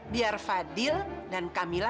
biar fadil dan kamila